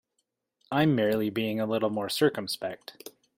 I'm merely being a little more circumspect.